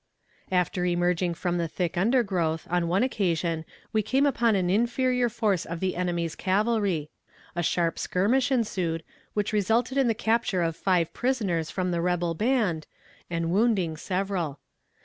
After emerging from the thick undergrowth, on one occasion, we came upon an inferior force of the enemy's cavalry; a sharp skirmish ensued, which resulted in the capture of five prisoners from the rebel band, and wounding several.